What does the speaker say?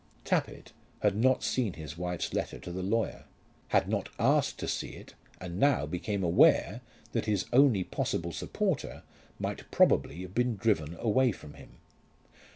Tappitt had not seen his wife's letter to the lawyer, had not asked to see it, and now became aware that his only possible supporter might probably have been driven away from him.